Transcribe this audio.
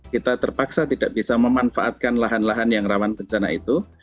kita terpaksa tidak bisa memanfaatkan lahan lahan yang rawan bencana itu